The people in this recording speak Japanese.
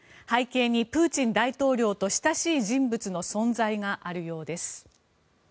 背景にプーチン大統領と親しい人物の存在があるようです。